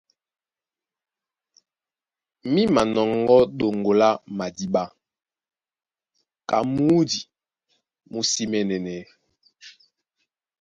Mí manɔŋgɔ́ ɗoŋgo lá madíɓá ka mǔdi mú sí mɛɛ̄nɛnɛɛ́.